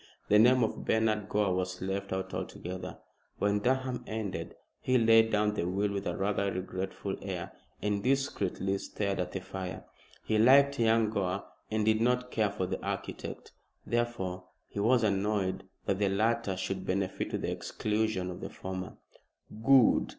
The name of Bernard Gore was left out altogether. When Durham ended he laid down the will with a rather regretful air, and discreetly stared at the fire. He liked young Gore and did not care for the architect. Therefore he was annoyed that the latter should benefit to the exclusion of the former. "Good!"